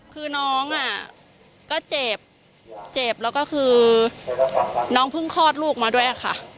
คือน้องอ่ะก็เจ็บเจ็บแล้วก็คือน้องเพิ่งคลอดลูกมาด้วยค่ะ